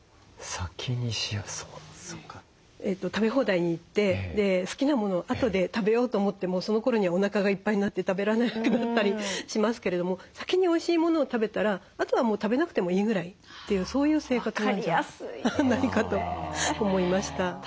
食べ放題に行って好きなものをあとで食べようと思ってもそのころにはおなかがいっぱいになって食べられなくなったりしますけれども先においしいものを食べたらあとはもう食べなくてもいいぐらいっていうそういう生活なんじゃないかと思いました。